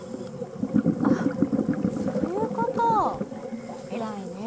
あっそういうことえらいね